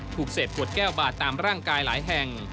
ถูกเศษขวดแก้วบาดตามร่างกายหลายแห่ง